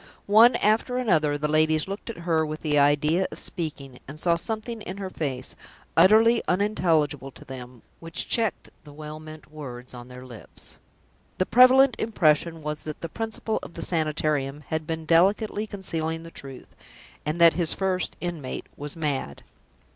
One after another the ladies looked at her with the idea of speaking, and saw something in her face, utterly unintelligible to them, which checked the well meant words on their lips. The prevalent impression was that the Principal of the Sanitarium had been delicately concealing the truth, and that his first inmate was mad.